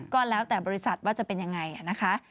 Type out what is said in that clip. ก็แล้วแต่บริษัทว่าจะเป็นยังไงนะคะ